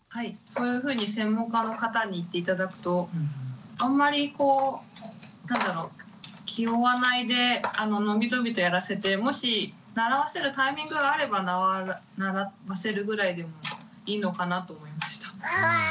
そういうふうに専門家の方に言って頂くとあんまりこう何だろう気負わないで伸び伸びとやらせてもし習わせるタイミングがあれば習わせるぐらいでもいいのかなと思いました。